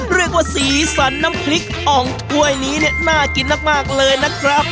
เรียกว่าสีสันน้ำพริกอ่องถ้วยนี้เนี่ยน่ากินมากเลยนะครับ